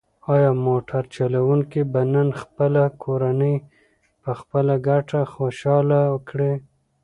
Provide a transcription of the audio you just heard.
ایا موټر چلونکی به نن خپله کورنۍ په خپله ګټه خوشحاله کړي؟